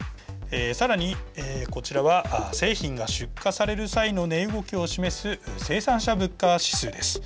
さらにこちらは製品が出荷される際の値動きを示す生産者物価指数です。